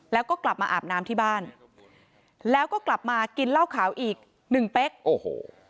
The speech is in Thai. แล้วก็กลับมาอาบน้ำที่บ้านแล้วก็กลับมากินเหล้าขาวอีกหนึ่งเป๊กโอ้โห